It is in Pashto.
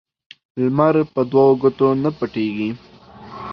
لمر په دوو گوتو نه پټېږي.